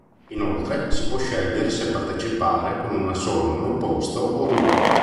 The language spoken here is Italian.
Inoltre, si può scegliere se partecipare con una sola monoposto o due.